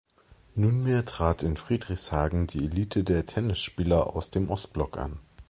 Nunmehr trat in Friedrichshagen die Elite der Tennisspieler aus dem Ostblock an.